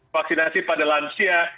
vaksinasi pada lansia